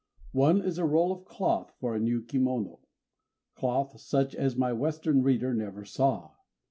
One is a roll of cloth for a new kimono, cloth such as my Western reader never saw.